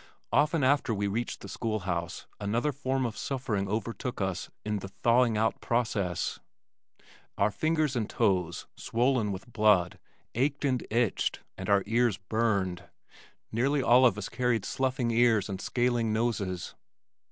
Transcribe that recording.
Often after we reached the school house another form of suffering overtook us in the "thawing out" process. Our fingers and toes, swollen with blood, ached and itched, and our ears burned. Nearly all of us carried sloughing ears and scaling noses.